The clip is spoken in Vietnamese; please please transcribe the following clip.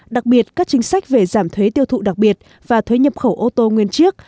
đặc biệt các chính sách về giảm thuế tiêu thụ đặc biệt và thuế nhập khẩu ô tô nguyên chiếc